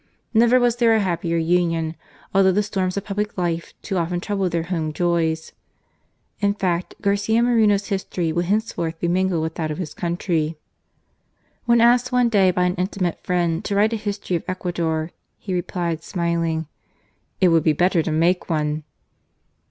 Never was there a happier union, although the storms of public life too often troubled their home joys. In fact, Garcia Moreno's history will henceforth be mingled with that of his country. When asked one day by an intimate friend to write a History of Ecuador, he replied, smiling: It would FLORES. 19 be better to make one